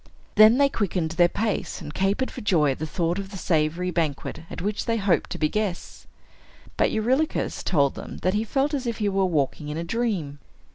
Then they quickened their pace, and capered for joy at the thought of the savory banquet at which they hoped to be guests. But Eurylochus told them that he felt as if he were walking in a dream.